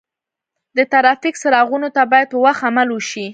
د ترافیک څراغونو ته باید په وخت عمل وشي.